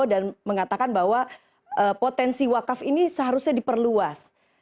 dan mengatakan bahwa potensi wakaf ini seharusnya diperluas